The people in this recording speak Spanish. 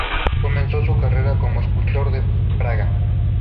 Comenzó su carrera como escultor en Praga.